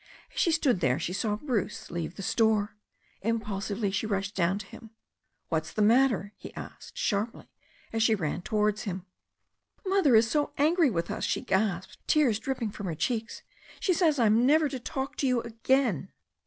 As she stood there she saw Bruce leave the store. Impulsively she rushed down to him. "What's the matter ?" he asked sharply, as she ran towards him. "Mother is so angry with us," she gasped, tears dripping from her cheeks. "She says I'm never to talk to you again."